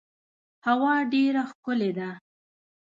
هوا ډیره ښکلې ده .